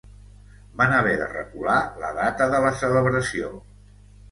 Van haver de recular la data de la celebració.